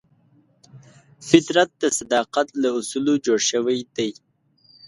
فطرت د صداقت له اصولو جوړ شوی دی.